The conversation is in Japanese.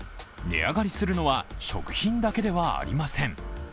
値上がりするのは食品だけではありません。